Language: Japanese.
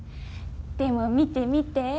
でも見て見て。